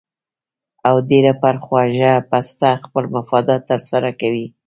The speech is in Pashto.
او ډېره پۀ خوږه پسته خپل مفادات تر سره کوي